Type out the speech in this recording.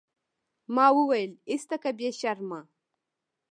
ما وويل ايسته که بې شرمه.